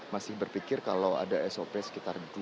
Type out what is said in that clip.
masih berpikir kalau ada sop sekitar